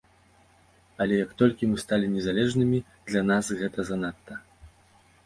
Але як толькі мы сталі незалежнымі, для нас гэта занадта.